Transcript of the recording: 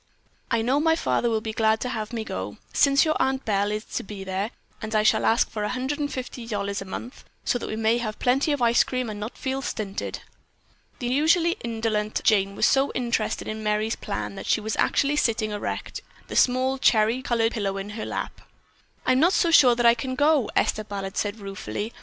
I know my father will be glad to have me go, since your Aunt Belle is to be there, and I shall ask for $150 a month, so that we may have plenty of ice cream and not feel stinted." The usually indolent Jane was so interested in Merry's plan that she was actually sitting erect, the small cherry colored pillow in her lap. "I'm not so sure that I can go," Esther Ballard said ruefully.